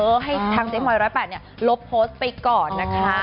คุณนี่ก็ครบให้ทางเจ๊หมอย๑๐๘เนี่ยลบโพสต์ไปก่อนนะคะ